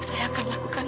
saya akan lakukan